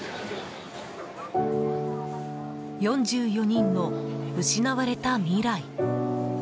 ４４人の失われた未来。